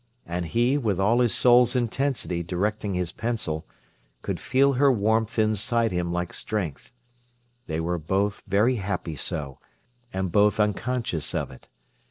And he, with all his soul's intensity directing his pencil, could feel her warmth inside him like strength. They were both very happy so, and both unconscious of it.